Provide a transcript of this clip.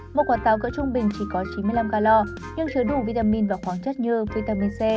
một quả táo cỡ trung bình chỉ có chín mươi năm galor nhưng chứa đủ vitamin và khoáng chất như vitamin c